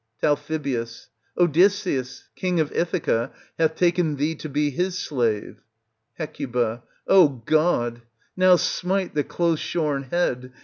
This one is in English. Tal. Odysseus, king of Ithaca, hath taken thee to be his slave. Hec. O God ! Now smite the close shorn head